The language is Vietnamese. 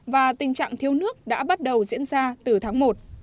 và tình trạng thiếu nước đã bắt đầu diễn ra từ tháng một